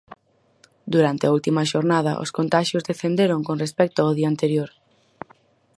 Durante a última xornada os contaxios descenderon con respecto ao día anterior.